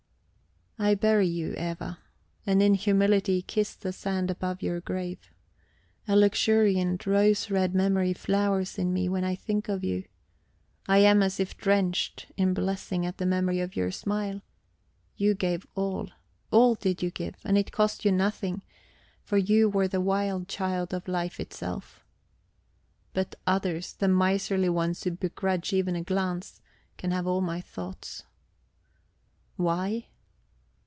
I bury you, Eva, and in humility kiss the sand above your grave. A luxuriant, rose red memory flowers in me when I think of you; I am as if drenched in blessing at the memory of your smile. You gave all; all did you give, and it cost you nothing, for you were the wild child of life itself. But others, the miserly ones who begrudge even a glance, can have all my thoughts. Why?